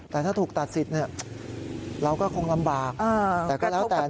แต่ถ้าถูกตัดสินเราก็คงลำบาก